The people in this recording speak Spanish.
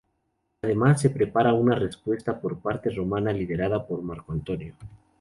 Además se preparaba una respuesta por parte romana liderada por Marco Antonio.